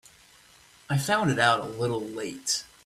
I found it out a little late.